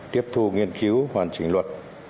tiếp thu nghiên cứu hoàn chỉnh luật